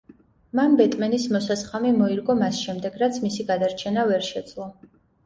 მან ბეტმენის მოსასხამი მოირგო მას შემდეგ, რაც მისი გადარჩენა ვერ შეძლო.